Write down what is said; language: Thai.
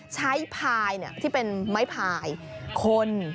พายที่เป็นไม้พายคน